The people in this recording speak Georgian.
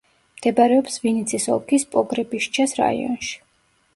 მდებარეობს ვინიცის ოლქის პოგრებიშჩეს რაიონში.